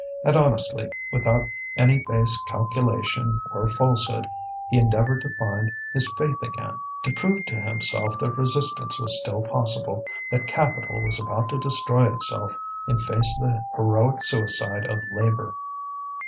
And honestly, without any base calculation or falsehood, he endeavoured to find his faith again, to prove to himself that resistance was still possible, that Capital was about to destroy itself in face of the heroic suicide of Labour.